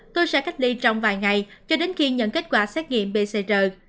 tôi sẽ cách ly trong vài ngày cho đến khi nhận kết quả xét nghiệm pcr